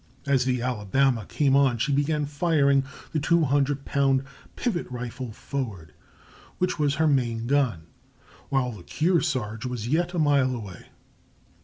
As the Alabama came on she began firing the two hundred pound pivot rifle forward, which was her main gun, while the Kearsarge was yet a mile away.